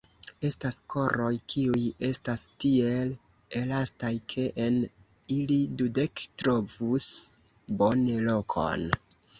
Estas koroj, kiuj estas tiel elastaj, ke en ili dudek trovus bone lokon!